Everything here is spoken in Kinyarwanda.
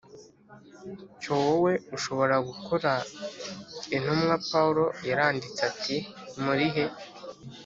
cyo wowe ushobora gukora Intumwa Pawulo yaranditse ati murihe